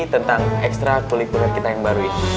tentang extra kurikuler kita yang baru ini